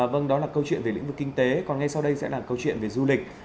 vâng đó là câu chuyện về lĩnh vực kinh tế còn ngay sau đây sẽ là câu chuyện về du lịch